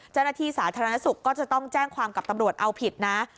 เจ้าหน้าที่สาธารณสุขก็จะต้องแจ้งความกับตำรวจเอาผิดนะ